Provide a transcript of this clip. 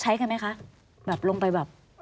สวัสดีค่ะที่จอมฝันครับ